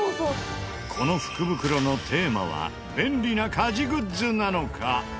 この福袋のテーマは便利な家事グッズなのか？